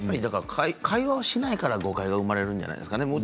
会話をしないから誤解が生まれるんじゃないですかね。